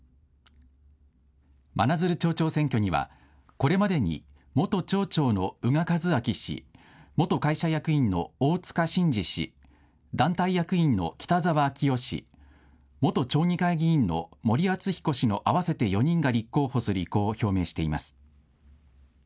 真鶴町長選挙には、これまでに元町長の宇賀一章氏、元会社役員の大塚伸二氏、団体役員の北沢晃男氏、元町議会議員の森敦彦氏の合わせて４人が立候補する意向を表明しています。